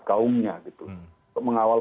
kaumnya gitu mengawal